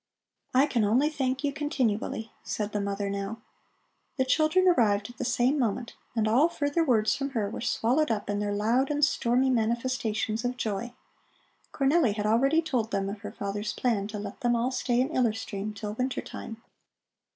"I can only thank you continually," said the mother now. The children arrived at the same moment, and all further words from her were swallowed up in their loud and stormy manifestations of joy. Cornelli had already told them of her father's plan to let them all stay in Iller Stream till winter time.